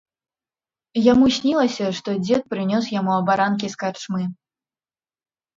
Яму снілася, што дзед прынёс яму абаранкі з карчмы.